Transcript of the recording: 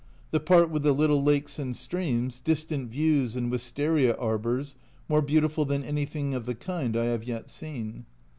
The part with the little lakes and streams, distant views and wistaria arbours, more beautiful than anything of the kind I have yet seen.